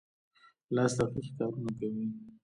لاس دقیق کارونه کوي.